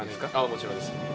もちろんですあっ